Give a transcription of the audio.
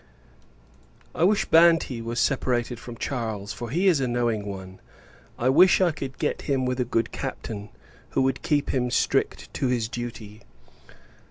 I wish Banti was separated from Charles, for he is a knowing one. I wish I could get him with a good Captain, who would keep him strict to his duty.